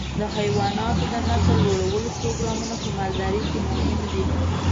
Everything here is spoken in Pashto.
د حيواناتو د نسل لوړولو پروګرامونه په مالدارۍ کې مهم دي.